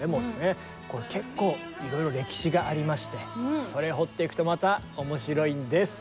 これ結構いろいろ歴史がありましてそれ掘っていくとまた面白いんです。